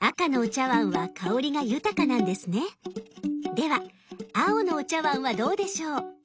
では青のお茶碗はどうでしょう？